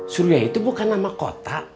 surya itu bukan nama kota